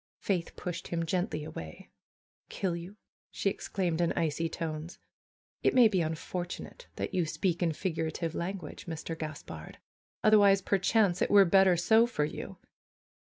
Faith pushed him gently away. "Kill you!^' she exclaimed in icy tones. "It may be unfortunate that you speak in figurative language, Mr. Gaspard. Otherwise perchance it were better so for you."